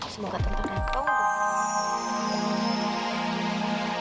semoga tenter rempong